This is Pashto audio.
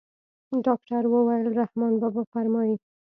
ډاکتر وويل رحمان بابا فرمايي.